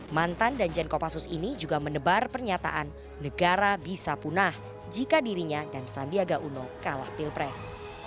mantan danjen kopassus ini juga menebar pernyataan negara bisa punah jika dirinya dan sandiaga uno kalah pilpres